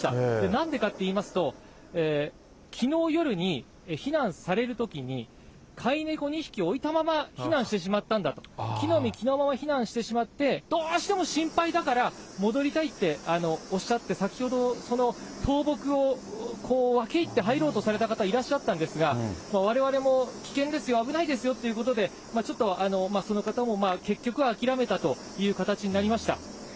なんでかといいますと、きのう夜に、避難されるときに、飼い猫２匹置いたまま避難してしまったんだと、着のみ着のまま避難してしまって、どうしても心配だから戻りたいっておっしゃって、先ほど、その倒木を分け入って入ろうとされた方、いらっしゃったんですが、われわれも危険ですよ、危ないですよということで、ちょっと、その方も結局は諦めたという形になりました。